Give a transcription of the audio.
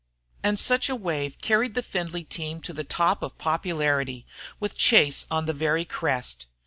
And such a wave carried the Findlay team to the top of popularity, with Chase on the very crest.